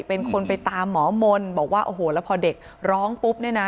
เป็นคนไปตามหมอมนต์บอกว่าโอ้โหแล้วพอเด็กร้องปุ๊บเนี่ยนะ